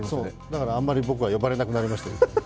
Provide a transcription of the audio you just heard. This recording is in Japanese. だから、あまり僕は呼ばれなくなりました。